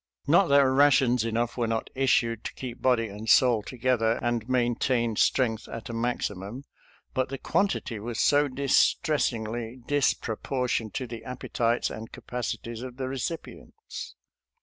Not that rations enough were not issued to keep body and soul together and maintain strength at a maximum, but the quantity was so distressingly disproportioned to the appetites and capacities of the recipients.